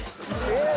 えっ！？